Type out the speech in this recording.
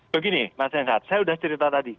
begini mas renhard saya sudah cerita tadi